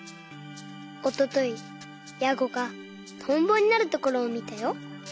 おとといヤゴがトンボになるところをみたよ。